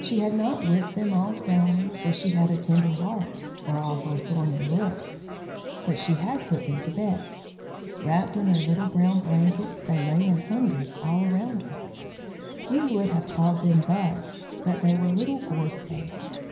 She had not whipped them all soundly, for she had a tender heart, for all her thorny looks; but she had put them to bed. Wrapped in their little brown blankets, they lay in hundreds all round her. You would have called them buds, but they were little Gorse Babies.